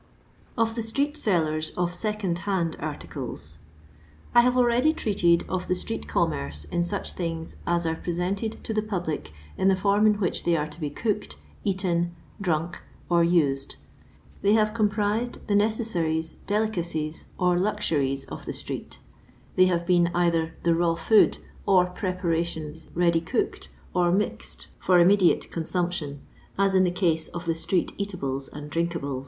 OF THE STREET SELLERS OF SECOND HAND ARTICLES. I BATi already treated of the street^ommerce in auch things as are presented to the public in the form in which they are to be cooked, eaten, drank, or used. They have comprised the necessaries, delicacies, or luxuries of the street; they iiave been either the raw food or preparations ready cooked or mixed for LONDON LABOUR AND TUB LONDON POOR. immediate consumptioii, as in the case of the street eatable* and drinkable!